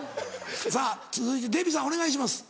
さぁ続いてデヴィさんお願いします。